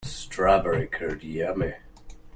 Strawberry curd, yummy!